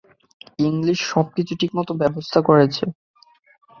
English, সবকিছু ঠিকমতো ব্যবস্থা করেছ?